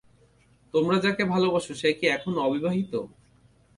তোমরা যাকে ভালবাসো সে কী এখনও অবিবাহিত?